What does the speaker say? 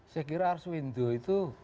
saya kira ars windu itu